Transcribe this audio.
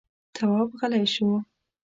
تواب غلی شو.